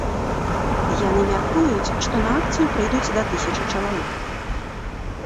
Яны мяркуюць, што на акцыю прыйдуць да тысячы чалавек.